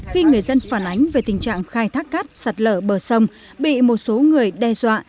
khi người dân phản ánh về tình trạng khai thác cát sạt lở bờ sông bị một số người đe dọa